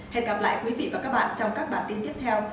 hẹn gặp lại quý vị và các bạn trong các bản tin tiếp theo